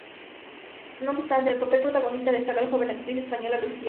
No obstante, en el papel protagonista destaca la joven actriz española Lucía Gil.